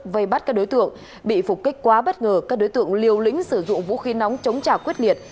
vây bắt các đối tượng bị phục kích quá bất ngờ các đối tượng liều lĩnh sử dụng vũ khí nóng chống trả quyết liệt